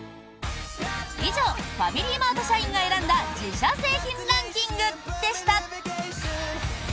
以上ファミリーマート社員が選んだ自社製品ランキングでした！